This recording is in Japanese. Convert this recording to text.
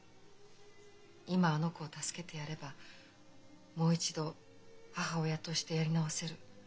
今あの子を助けてやればもう一度母親としてやり直せる。